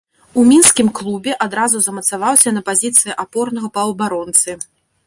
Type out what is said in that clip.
У мінскім клубе адразу замацаваўся на пазіцыі апорнага паўабаронцы.